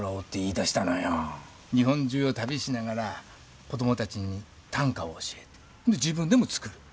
日本中を旅しながら子供たちに短歌を教えて自分でも作る。